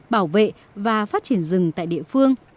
bảo vệ và phát triển rừng tại địa phương